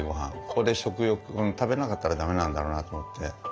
ここで食欲食べなかったら駄目なんだろうなと思って。